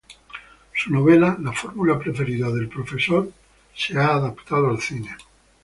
Su novela "La fórmula preferida del profesor" ha sido adaptada al cine.